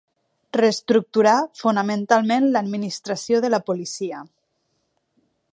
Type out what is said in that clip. Reestructurà fonamentalment l’administració de la policia.